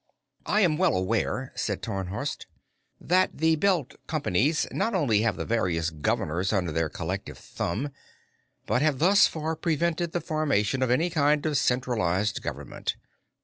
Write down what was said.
"I am well aware," said Tarnhorst, "that the Belt Companies not only have the various governors under their collective thumb, but have thus far prevented the formation of any kind of centralized government.